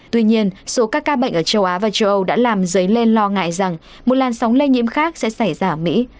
tuy nhiên số các ca bệnh ở châu á và châu âu đã làm dấy lên lo ngại rằng một làn sóng lây nhiễm khác sẽ xảy ra ở mỹ